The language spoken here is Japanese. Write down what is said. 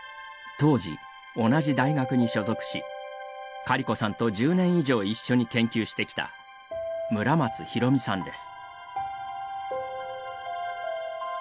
当時同じ大学に所属しカリコさんと１０年以上一緒に研究してきた村松浩美さんです。